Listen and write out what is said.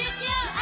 あ。